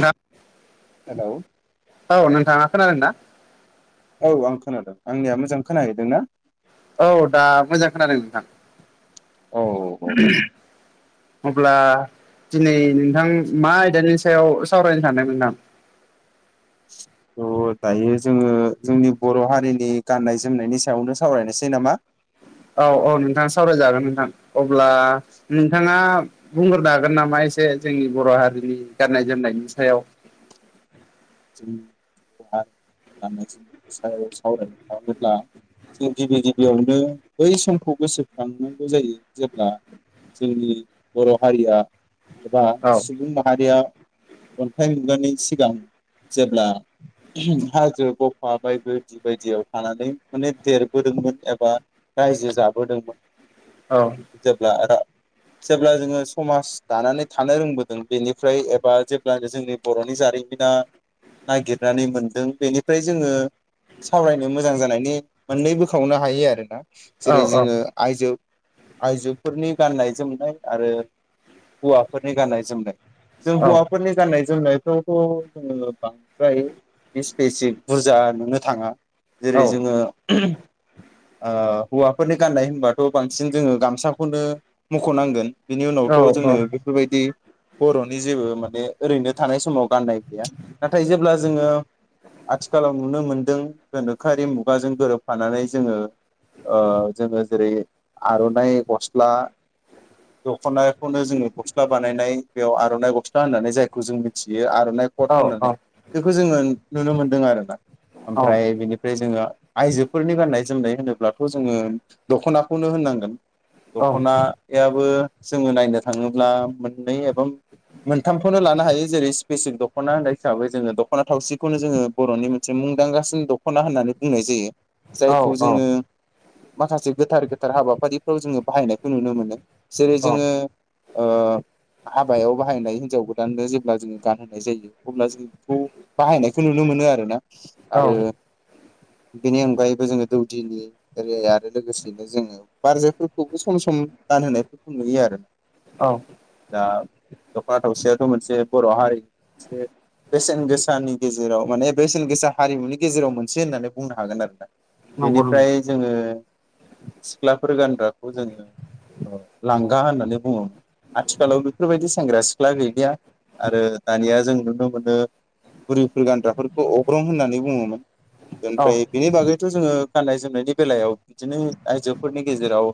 ना हेलौ। औ नों थाङां नार दा औ आं खोनादों आंनिया मोजां खोनाहैदों ना? औ दा मोजां खोनादों नोंथां। औ औ औ। उम। अब्ला दिनै नोंथां मा आयदानि सायाव सावरायनो सानदों नोंथां। त दायो जोङो जोंनि बर' हारिनि गाननाय जोमनायनि सायावनो सावरायनोसै नामा? औ औ नोंथाङा सावरायजागोन नोंथां अब्ला। नोंथाङा बुंग्रोनो हागोन नामा एसे जोंनि बर' हारिनि गाननाय जोमनायनि सायाव। जोंह म जों सायाव सावरायनो थोब्ला जों गिबि गिबियावनो बै समखौ गोसोखांनांगौ जायो जेब्ला। जोंनि बर' हारिया एबा औ सुबुं माहारिया अन्थाइ मोनगोननि सिगां जेब्ला। हाजो गफा बायबोदि बायदियाव थानानै माने देरबोदोंमोन एबा रायजो जाबोदोंमोन औ जेब्ला जेब्ला जोङो समाज दानानै थानो रोंबोदों बेनिफ्राय एबा जेब्लानो जोंनि बर'नि जारिमिना नागिरनानै मोनदों बेनिफ्राय जोङो सावरायनो मोजां जानायनि मोननै बोखावनो हायो आरोना औ जेरै जोङो आइजो आइजोफोरनि गाननाय जोमनाय आरो हौवाफोरनि गाननाय जोमनाय जों औ हौवाफोरनि गाननाय जोमनायफ्रावथ' जोङो बांद्राय स्पेसिक बुरजा नुनो थाङा औ जेरै जोङो हौवाफोरनि गाननाय होनबाथ' बांसिन जोङो गामसाखौनो मुख'नांगोन बिनि औ उनावथ' जोङो बेफोरबायदि बर'नि जेबो माने ओरैनो थानाय समाव गाननाय गैया नाथाय जेब्ला जोङो आथिखालाव नुनो मोन्दों गोनोखोआरि मुगाजों गोरोबफानानै जोङो जोङो जेरै आर'नाइ गस्ला दख'नाखौनो जोङो गस्ला बानायनाय बेयाव आर'नाइ गस्ला होननानै जायखौ जों मिथियो आर'नाइखौ औ होननानै बेखौ जोङो नुनो मोनदों आरोना ओमफ्राय बेनि ओमफ्राय जोङो आइजोफोरनि गान्नाय जोमनाय होनोब्लाथ' जोङो दख'नाखौनो होननांगोन दखनायाबो जोङो नायनो थाङोब्ला मोननै एबा मोनथामखौनो लानो हायो जेरै स्पेसियेल डक्ट दख'ना होननाय हिसाबै जोङो दख'ना थावसिखौनो जोङो बर'नि मोनसे मुंदांखासिन दख'ना होननानै बुंनाय जायो जायखौ औ जोङो माखासे गोथार गोथार हाबाफारिफ्राव जोङो बाहायनायखौ नुनो मोनो जेरै औ जोङो हाबायाव बाहायनाय हिन्जाव गोदाननो जेब्ला जोङो गानहोनाय जायो अब्ला जों बेखौ बाहायनायखौ नुनो मोनो आरो ना आरो [inaudible] बेनि अनगायैबो जोङो दौदिनि ओरै आरो लोगोसेयैनो जोङो बारजफोरखौबो सम सम गान होनायफोरखौ नुयो आरोना औ दा दख'ना थावसियाथ' मोनसे बर' हारि मोनसे बेसेन गोसानि गेजेराव माने बेसेन गोसा हारिमुनि गेजेराव मोनसे होननानै बुंनो हागोन आरो ना नंगौ बेनिफ्राय नंगौ जोङो सिख्लाफोर गानग्राखौ जोङो लांगा होननानै बुङो आथिखालाव बेफोरबायदि सेंग्रा सिख्ला गैलिया आरो दानिया जों नुनो मोनो बुरिफोर गानग्राफोरखौ अग्रं होननानै बुङोमोन औ ओमफ्राय बेनि बागैथ' जोङो गाननाय जोमनायनि बेलायाव बिदिनो आइजोफोरनि गेजेराव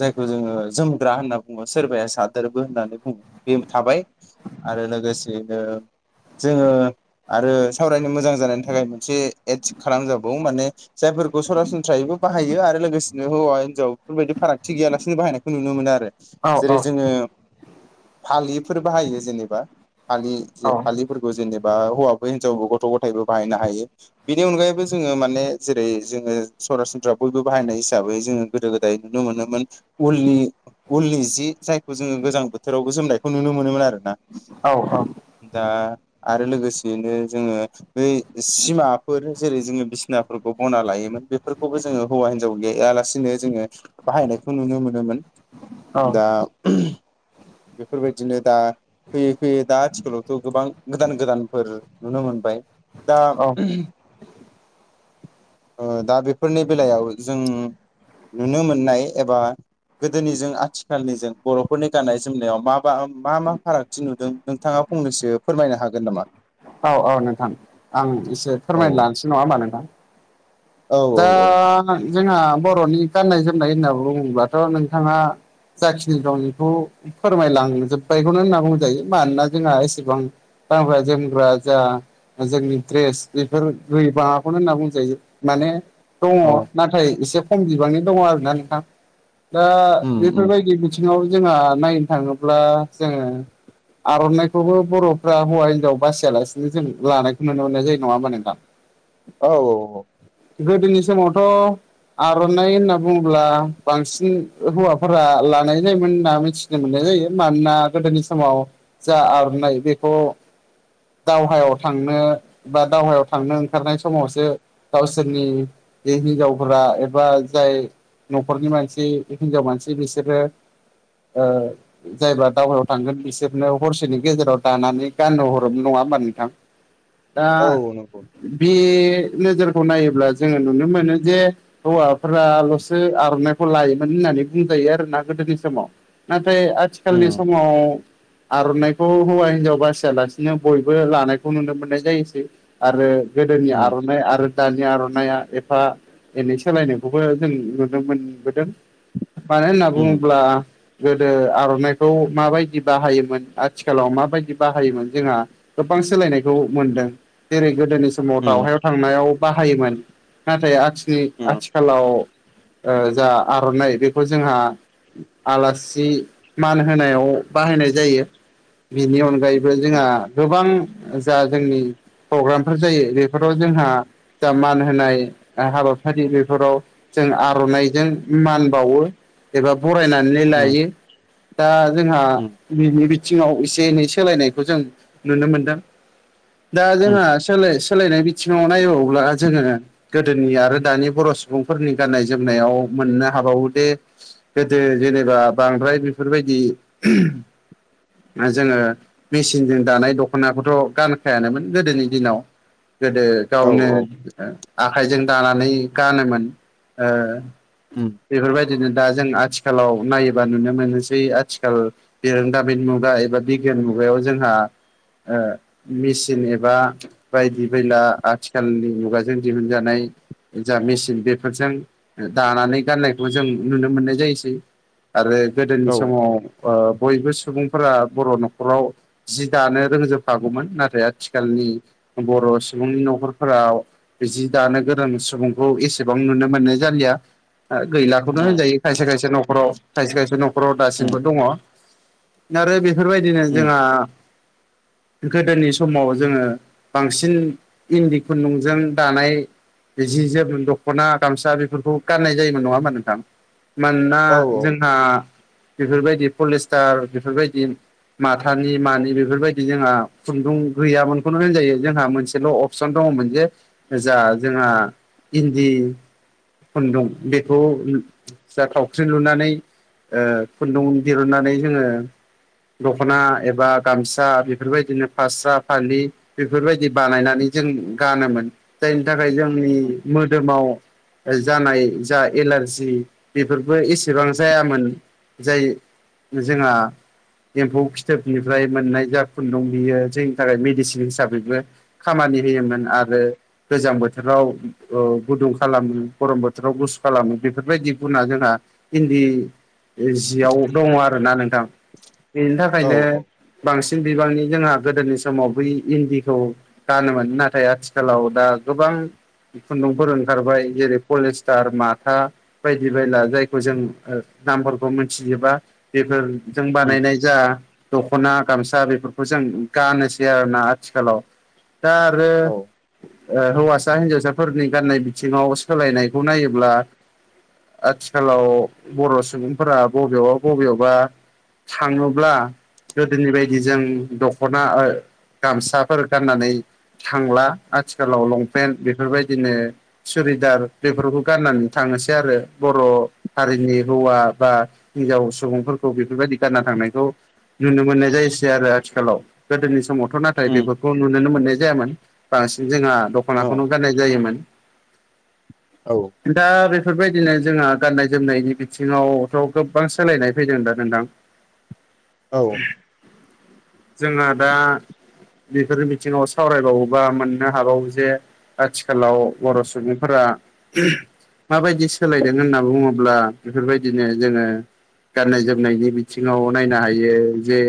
जायखौ जोङो जोमग्रा होनना बुङो सोरबाया सादोरबो होननानै बुङो बे थाबाय आरो लोगोसेैनो जोङो आरो सावरायनो मोजां जानायनि थाखाय मोनसे ए खालामजाबाव माने जायफोरखौ सरासनस्रायैबो बाहायो आरो लोगोसेनो हौवा हिन्जाव बेफोरबायदि फारागथि गैयालासिनो बाहायनायखौ नुनो मोनो आरो औ औ जेरै जोङो फालिफोर बाहायो जेनेबा फालि फालि औ फोर जेनेबा हौवा हिनजावबो गथ' गथथायबो बाहायनो हायो बेनि अनगायैबो जोङो माने जेरै जोङो सरासनस्रा बयबो बाहायनाय हिसाबै जोङो गोदो गोदाय नुनो मोनोमोन उलनि उलनि जि जायखौ जोङो गोजां बोथोरावबो जोमनायखौ नुनो मोनोमोन आरो ना औ औ दा आरो लोगोसेयैनो जोङो बे सिमाफोर जेरै जोङो बिसिनाफोरखौ बना लायोमोन बेफोरखौबो जोङो हौवा हिनजाव गैयालासिनो जोङो बाहायनायखौ नुनो मोनोमोन औ दा बेफोरबायदिनो दा फैयो बे दा आथिखालावथ' गोबां गोदान गोदानफोर नुनो मोनबाय दा औ [inaudible] ओ दा बेफोरनि बेलायाव जों नुनो मोननाय एबा गोदोनिजों आथिखालनि जों बर'फोरनि गाननाय जोमनायाव मा मा मा फारागथि नु दों नोंथांआ फंनैसो फोरमायनो हागोन नामा औ औ नोंथां आं एसे औ फोरमायनो लानोसै नङा होमबा नोंथां औ औ दा औ जोंहा बर'नि गाननाय जोमनाय होनना बुङोब्लाथ' नोंथांआ जाखिनि दं बेखौ फोरमायलांजोब्बायखौनो होनना बुंजायो मानोना जोंहा एसेबां गानग्रा जोमग्रा जा जोंनि द्रेस बेफोर गै बांआखौनो होनना बुंजायो माने दङ औ नाथाय एसे खम बिबांनि दङ आरोना नोंथां दा उम उम बेफोरबादि बिथिंआव जोंहा नायनो थाङोब्ला जोङो आर'नाइखौबो बर'फ्रा हौवा हिनजाव बासिआलासिनो जों लानायखौ नुनो मोननाय जायो नङा होमबा नोंथां औ औ औ गोदोनि समावथ' आर'नाइ होनना बुङोब्ला बांसिन हौवाफोरा लानाय जायोमोन होनना मिथि मोननाय जायो मानोना गोदोनि समाव जा आर'नाइ बेखौ दावहायाव थांनो बा दावहायाव थांनो ओंखारनाय समावसो गावसोरनि बे हिनजावफोरा एबा जाय न'खरनि मानसि हिनजाव मानसि बिसोरो ओ जायबा दावहायाव थांगोन बिसोरनो हरसेनि गेजेराव दानानै गाननो हरोमोन नङा होमबा नोंथां दा औ नंगौ बेह नोजोरखौ नायोब्ला जोङो नुनो मोनो जे हौवाफोराल'सो आर'नाइखौ लायोमोन होननानै बुंजायो आरोना गोदोनि समाव नाथाय आथिखालनि उम समाव आर'नाइखौ हौवा हिनजाव बासिआलासिनो बयबो लानायखौ नुनो मोननाय जायोसै आरो गोदोनि उम आर'नाइ आरो दानि आर'नाइआ एफा एनै सोलायनायखौबो जों नुनो मोनबोदों मानो होनना उम बुङोब्ला गोदो आर'नाइखौ माबादि बाहायोमोन आथिखालाव माबायदि बाहायोमोन जोंहा गोबां सोलायनायखौ मोनदों जेरै गोदोनि सम समाव उम दावहायाव थांनायाव बाहायोमोन नाथाय आथिनि उम आथि आखालाव ओ जा आर'नाइ बेखौ जोंहा आलासि मान होनायाव बाहायनाय जायो बिनि उम अनगायैबो जोंहा गोबां जा जोंनि प्र'ग्रामफोर जायो बेफोराव जोंहा जा मान होनाय हाबाफारि बेफोराव जों आर'नाइजों मान बावो एबा बरायनानै उम लायो दा जोंहा उम बिनि बिथिंआव एसे एनै सोलायनायखौ जों नुनो मोनदों दा जोंहा उम सोलाय सोलायनाय बिथिंआव नायोब्ला जोङो गोदोनि आरो दानि बर' सुबुंफोरनि गाननाय जोमनायाव मोननो हाबावो दे गोदो जेनोबा बांद्राय बेफोरबादि ओह जोङो मेसिनजों दानाय दख'नाखौथ' गानखायानोमोन गोदोनि दिनाव गोदो औ गावनो औ ओ आखाइजों दानानै गानोमोन ओ उम बेफोरबायदिनो दा जों आथिखालाव नायोबा नुनो मोनोसै आथिखाल बेरोंदामिन मुगा एबा बिगियान मुगायाव जोंहा ओ मेसिन एबा बायदि दैैला आथिखालनि मुगाजों दिहुनजानाय जा मेसिन बेफोरजों दानानै गाननायखौ जों नुनो मोननाय जायोसै आरो गोदोनि औ समाव ओ बयबो सुबुं फोरा बर' न'खराव जि दानो रोंजोबखागौमोन नाथाय आथिखालनि बर' हि सुबुंनि न'खरफोराव बिदि दानो गरों सुबुंखौ एसेबां नुनो मोननाय जालिआ ओ गैलाखौनो उम होनजायो खायसे खायसे न'खराव खायसे खायसे न'खराव दासिमबो दङ आरो बेफोरबादिनो उम जोंहा गोदोनि समाव जोङो बांसिन इन्दि खुन्दुंजों दानाय जि जोम दख'ना गामसा बेफोरखौ गाननाय जायोमोन नङा होमा नोंथां मानोना औ जोंहा बेफोरबायदि पलिस्टार बेफोरबायदि माथानि मानि बेफोरबायदि जोंहा खुन्दुं गैयामोनखौनो होनजायो जोंहा मोनसे ल' अपसन दङमोन जे जा जोंहा इन्दि खुन्दुं बेखौ जा थावख्रि लुनानै खुन्दुं दहुननानै जोङो दख'ना एबा गामसा बेफोरबायदिनो फास्रा फालि बेफोरबायदि बानायनानै जों गानोमोन जायनि थाखाय जोंनि मोदोमाव जानाय जा एलारजि बेफोरबो एसेबां जायामोन जाय जोंहा एम्फौ फिथोबनिफ्राय मोननाय जा खुन्दुं बियो जोंनि थाखाय मेडिसिन हिसाबैबो खामानि होयोमोन आरो गोजां बोथोराव गुदुं खालामो गरम बोथोराव गुसु खालामो बेफोरबायदि गुना जोंहा हिदि जियाव दङ आरोना नोंथां बेनि थाखायनो बांसिन बिबांनि जोंहा गोदोनि समाव बै इन्दिखौ गानोमोन नाथाय आथिखालाव दा गोबां खुन्दुंफोर ओंखारबाय जेरै पलिस्टार माथा बायदि बायला जायखौ जों नामफोरखौ मोनथियोोबा बेफोर जों उम बानायनाय जा दख'ना गामसा बेफोरखौ जों गानोसै आरोना आथिखालाव दा आरो औ हौवासा हिन्जावसाफोरनि गान्नाय बिथिङाव सोलायनायखौ नायोब्ला आथिखालाव बर' सुबुंफोरा बबेयावबा बबेयावबा थाङोब्ला गोदोनि बायदि जों दख'ना गामसाफोर गाननानै थांला आथिखालाव लंपेन्ट बेफोरबायदिनो सुरिदार बेफोरखौ गाननानै थांनोसै आरो बर' हारिनि हौवा बा हिनजाव सुबुंफोरखौ बेफोरबायदि गानना थांनायखौ नुनो मोननाय जायोसै आरो आथिखालाव गोदोनि समाव थ' नाथाय उम औ उम बेफोरखौ नुनो मोननाय जायामोन बांसिन जोंहा औ दख'नाखौनो गाननाय जायोमोन। औ दा बेफोरबायदिनो जोंहा गाननाय जोमनायनि बिथिङावथ' गोबां सोलायनाय फैदों दा नोंथां [inaudible] औ जोंहा दा बेफोर बिथिङाव सावरायबावोबा मोननो हाबावो जे आथिखालाव बर' सुबुंफोरा माबायदि सोलायदों होनना बुङोब्ला बेफोरबायदिनो जोङो गाननाय जोमनायनि बिथिङाव नायनो हायो जे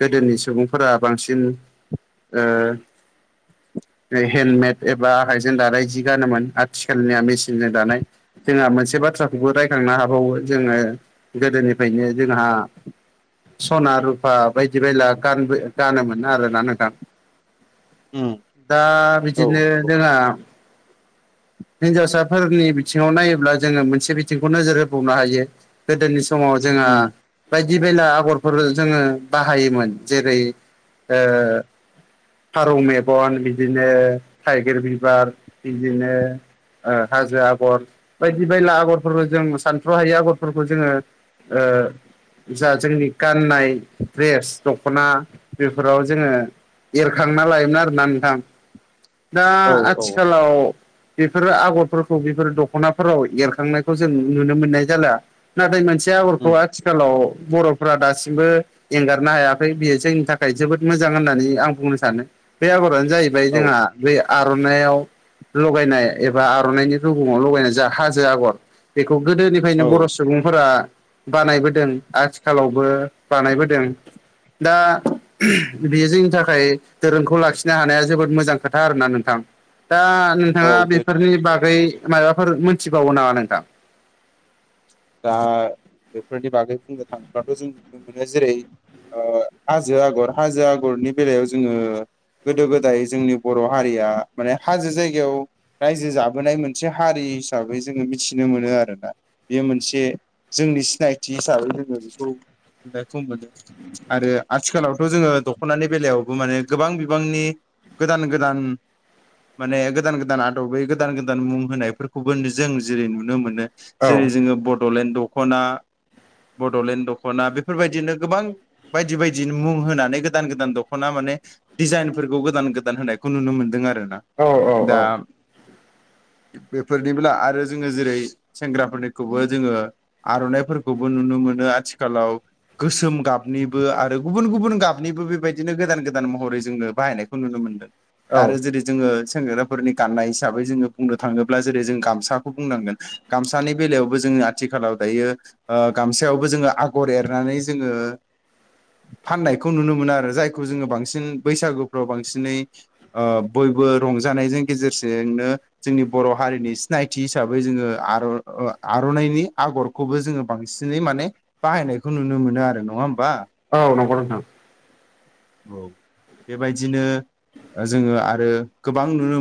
गोदोनि सुबुंफोरा बांसिन हेन्दमेद एबा आखाइजों दानाय जि गानोमोन आथिखालनिया मेचनजों दानाय जोंहा मोनसे बाथ्राखौबो रायखांनो हाबावो जोङो गोदोनिफ्रायनो जोंहा सना रुफा बायदि बायला गानबो गानोमोन आरोना नोंथां उम दा औ बिदिनो नंगौ रोङा हिन्जावसाफोरनि बिथिङाव नायोब्ला जोङो मोनसे बिथिंखौ नोजोर होबावनो हायो। गोदोनि समाव जोंहा उम बायदि बेला आगरफोर जोङो बाहायोमोन जेरै फारौ मेगन बिदिनो थाइगिर बिबार बिदिनो हाजो आगर बायदि बायला आगरफोरखौ जों सानथ' हायि आगरफोरखौ जोङो ओ जा जोंनि गाननाय द्रेस दख'ना बेफोराव जोङो एरखांना लायोमोन आरोना नोंथां दा औ आथिखालाव बेफोरो आगरफोरखौ बेफोर दख'नाफोराव एरखांनायखौ जों नुनो मोननाय जाला नाथाय मोनसे आगरखौ उम आथिखालाव बर' फ्रा दासिमबो एंगारनो हायाखै बियो जोंनि थाखाय जोबोद मोजां होननानै आं बुंनो सानो बे आगरानो जाहैबाय औ जोंहा बे आर'नायाव लगायनाय एबा आर'नाइनि रुगुङाव लगायनाय जा हाजो आगर बेखौ गोदोनिफ्रायनो बर' औ सुबुंफोरा बानायबोदों आथिखालावबो बानायबोदों दा बे जोंनि थाखाय धोरोमखौ खौ लाखिनो हानाया जोबोद मोजां खोथा आरोना नोंथां दा नोंथाङा औ बेथ' बेफोरनि नंगौ बागै माबाफोर मोनथिबावो नामा नोंथां? दा बेफोरनि बागै बुंनो थाङोब्लाथ' जों नुनो मोनो जेरै हाजो आगर हाजो आगरनि बेलायाव जोङो गोदो गोदाय जोंनि बर' हारिया माने हाजो जायगायाव रायजो जाबोनाय मोनसे हारि हिसाबै जोङो मिथिनो मोनो आरोना बेयो मोनसे जोंनि सिनायथि हिसाबै जोङो बेखौ नुनायखौ मोनो आरो आथिखालावथ' जोङो दख'नानि बेलायावबो माने गोबां बिबांनि गोदान गोदान माने गोदान गोदान आदबै गोदान गोदान मुं होनायफोरखौबो जों जेरै नुनो मोनो औ जेरै जोङो बड'लेण्ड दख'ना बड'लेण्ड दख'ना बेफोरबायदिनो गोबां बायदि बायदि मुं होनानै गोदान गोदान दख'ना माने डिजाइनफोरखौ गोदान गोदान होनायखौ नुनो मोनदों आरो ना। औ औ दा बेफोरनिला आरो जोङो जेरै सेंग्रा आरखौबो जोङो आर'नाइफोरखौबो नुनो मोनो आथिखालाव गोसोम गाबनिबो आरो गुबुन गुबुन गाबनिबो बेबायदिनो गोदान गोदान महरै जोंनो बाहायनाय नुनो मोनदों औ आरो जेरै जोङो सेंग्राफोरनि गाननाय हिसाबै जोङो बुंनो थाङोब्ला जेरै जों गामसाखौ बुंनांगोन गामसा दानि बेलायावबो जोङो आथिखालाव दायो गामसायावबो जोङो आगर एरनानै जोङो फाननायखौ नुनो मोना आरो जायखौ जोङो बांसिन बैसागुफ्राव बांसिनै बयबो रंजानायजों गेजेरजोंनो जोंनि बर' हारिनि सिनायथि हिसाबै जोङो आरनाइ आर'नाइनि आगरखौबो जोङो बांसिनै माने बाहायनायखौ नुनो मोनो आरो नङा होमबा औ नंगौ नोंथां औ बेबायदिनो जोङो आरो गोबां नुनो मोनो